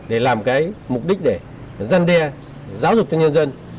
để làm mục đích dân đe giáo dục cho nhân dân